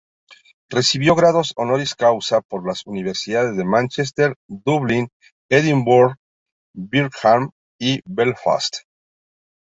Recibió grados honoris causa por las universidades de Manchester, Dublin, Edinburgh, Birmingham y Belfast.